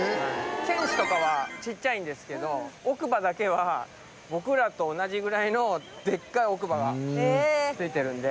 犬歯とかはちっちゃいんですけど奥歯だけは僕らと同じぐらいのでっかい奥歯がついてるんで。